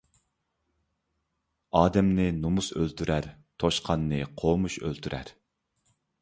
ئادەمنى نومۇس ئۆلتۈرەر، توشقاننى قومۇش ئۆلتۈرەر.